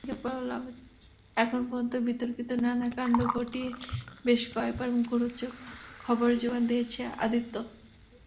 এখন পর্যন্ত বিতর্কিত নানা কাণ্ড ঘটিয়ে বেশ কয়েকবার মুখরোচক খবরের জোগান দিয়েছেন আদিত্য।